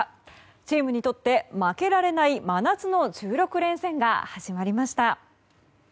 チームにとって負けられない真夏の１６連戦が始まりました。